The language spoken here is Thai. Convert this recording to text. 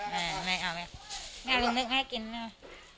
แม่ไม่เอาไหมแม่ลูกนึกให้กินไหม